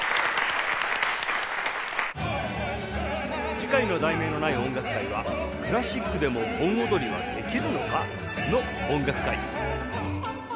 次回の『題名のない音楽会』は「クラシックでも盆踊りはできるのか？の音楽会」